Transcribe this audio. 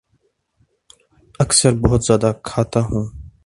اکثر بہت زیادہ کھاتا ہوں